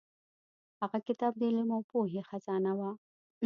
هغه کتاب د علم او پوهې خزانه وه.